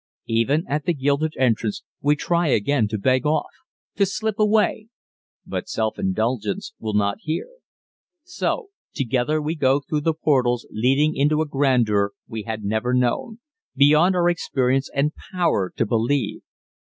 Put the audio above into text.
Even at the gilded entrance we try again to beg off to slip away but Self indulgence will not hear. So together we go through the portals leading into a grandeur we had never known beyond our experience and power to believe.